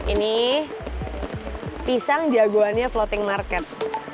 ini pisang jagoannya floating market